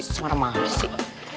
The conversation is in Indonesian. semarang mahal sih